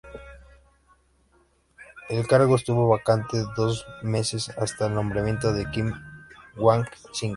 El cargo estuvo vacante dos meses hasta el nombramiento de Kim Hwang-sik.